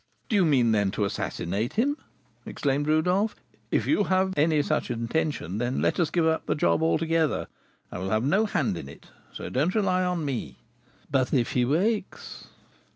"Do you mean, then, to assassinate him?" exclaimed Rodolph. "If you have any such intention, let us give up the job altogether; I will have no hand in it, so don't rely on me " "But if he wakes?"